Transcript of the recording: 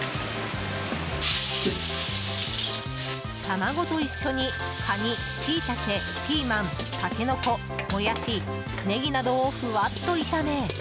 卵と一緒に、カニ、シイタケピーマン、タケノコ、モヤシネギなどをふわっと炒め。